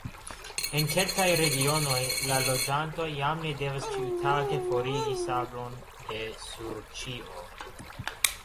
En kelkaj regionoj, la loĝantoj jam ne devas ĉiutage forigi sablon de sur ĉio.